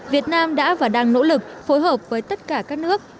việt nam đã và đang nỗ lực phối hợp với tất cả các nước